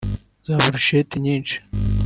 za burusheti nyinshi